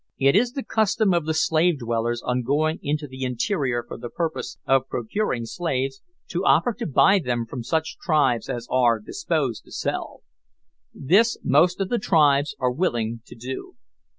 It is the custom of the slave dealers, on going into the interior for the purpose of procuring slaves, to offer to buy them from such tribes as are disposed to sell. This most of the tribes are willing to do.